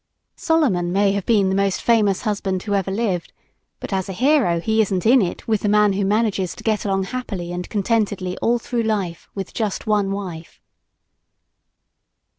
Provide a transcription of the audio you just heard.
Solomon may have been the most famous husband who ever lived, but as a hero he isn't in it with the man who manages to get along happily and contentedly all through life with just one wife!